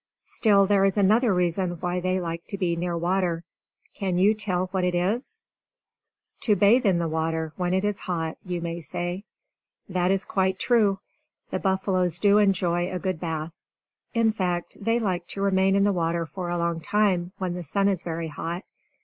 Still, there is another reason why they like to be near water. Can you tell what it is? "To bathe in the water, when it is hot," you may say. That is quite true; the buffaloes do enjoy a good bath. In fact, they like to remain in the water for a long time, when the sun is very hot.